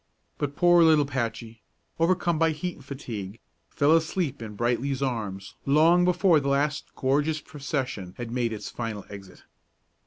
But poor little Patchy, overcome by heat and fatigue, fell asleep in Brightly's arms long before the last gorgeous procession had made its final exit.